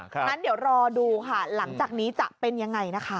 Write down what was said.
งั้นเดี๋ยวรอดูค่ะหลังจากนี้จะเป็นยังไงนะคะ